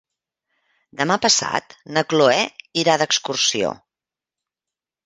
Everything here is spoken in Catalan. Demà passat na Cloè irà d'excursió.